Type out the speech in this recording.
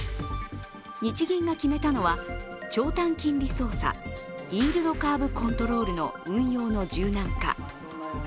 日銀が決めたのは、長短金利操作＝イールドカーブ・コントロールの運用の柔軟化。